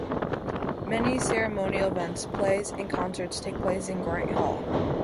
Many ceremonial events, plays, and concerts take place in Grant Hall.